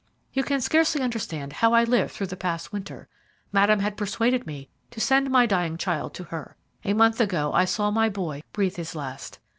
"You can scarcely understand how I lived through the past winter. Madame had persuaded me to send my dying child to her. A month ago I saw my boy breathe his last.